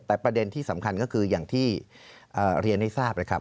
แต่ประเด็นที่สำคัญก็คืออย่างที่เรียนให้ทราบนะครับ